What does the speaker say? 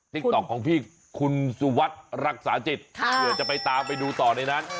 ติ๊กต๊อกของพี่คุณสุวัสดิ์รักษาจิตเผื่อจะไปตามไปดูต่อในนั้น